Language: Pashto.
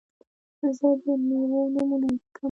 زه د میوو نومونه لیکم.